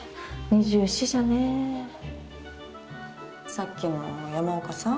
さっきの山岡さん？